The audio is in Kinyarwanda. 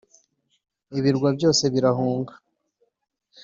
ibirwa byose birahunga